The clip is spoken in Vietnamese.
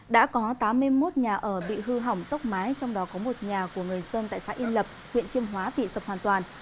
đã có tám mươi một nhà ở bị hư hỏng tốc mái trong đó có một nhà của người dân tại xã yên lập huyện chiêm hóa bị sập hoàn toàn